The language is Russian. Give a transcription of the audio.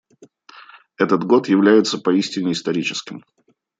Этот год является поистине историческим.